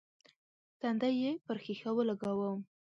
تندی يې پر ښيښه ولګاوه.